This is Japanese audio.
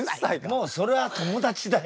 もうそれは友達だよ。